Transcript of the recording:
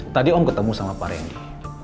tadi om ketemu sama pak rendy